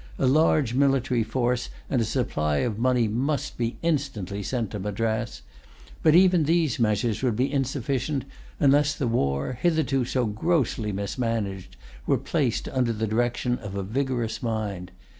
A large military force and a supply of money must be instantly sent to Madras. But even these measures would be insufficient, unless the war, hitherto so grossly mismanaged, were placed under the direction of a vigorous mind.